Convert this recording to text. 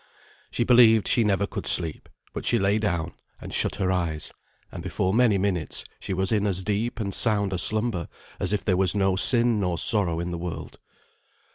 She believed she never could sleep, but she lay down, and shut her eyes; and before many minutes she was in as deep and sound a slumber as if there was no sin nor sorrow in the world.